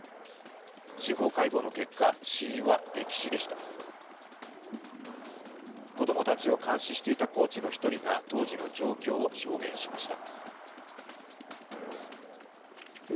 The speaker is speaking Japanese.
司法解剖の結果、死因は溺死でした子供たちを監視していたコーチの１人が当時の状況を証言しました。